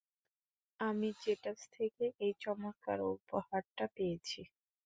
আমি জেটাস থেকে এই চমৎকার উপহারটা পেয়েছি।